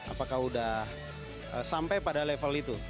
apakah sudah sampai pada level itu